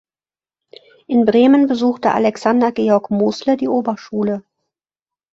In Bremen besuchte Alexander Georg Mosle die Oberschule.